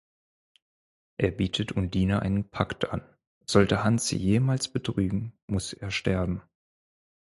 Er bietet Undine einen Pakt an: sollte Hans sie jemals betrügen, muss er sterben.